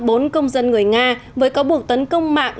bốn công dân người nga với cáo buộc tấn công mạng